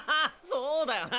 そうだよな。